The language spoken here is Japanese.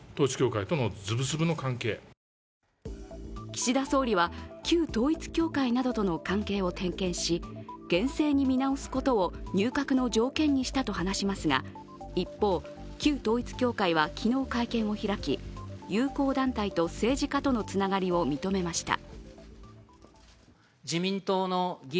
岸田総理は、旧統一教会などとの関係を点検し、厳正に見直すことを入閣の条件にしたと話しますが一方、旧統一教会は昨日、会見を開き、友好団体と政治家とのつながりを認めました。